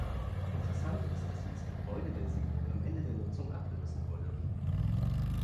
Interessant ist, dass jedes Gebäude der Siedlung am Ende der Nutzung abgerissen wurde.